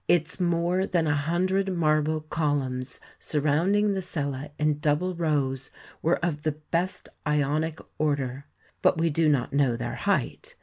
Its more than a hundred marble columns sur rounding the cella in double rows were of the best Ionic order ; but we do not know their height.